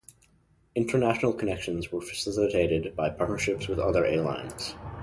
International connections were facilitated by partnerships with other airlines.